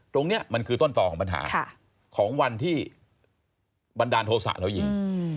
ตรงนี้มันคือต้นต่อของปัญหาของวันที่บันดาลโทษะแล้วยิง